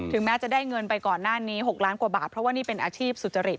แม้จะได้เงินไปก่อนหน้านี้๖ล้านกว่าบาทเพราะว่านี่เป็นอาชีพสุจริต